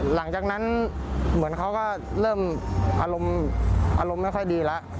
หลังจากนั้นเหมือนเขาก็เริ่มอารมณ์ไม่ค่อยดีแล้ว